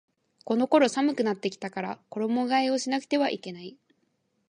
この頃寒くなってきたから衣替えをしなくてはいけない